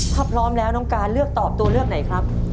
ถ้าพร้อมแล้วน้องการเลือกตอบตัวเลือกไหนครับ